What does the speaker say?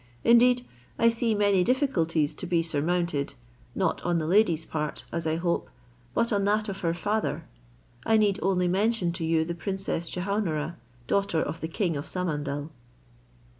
Indeed I see many difficulties to be surmounted, not on the lady's part, as I hope, but on that of her father. I need only mention to you the princess Jehaun ara, daughter of the king of Samandal."